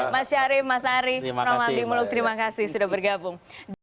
mas syarif mas ari romadi muluk terima kasih sudah bergabung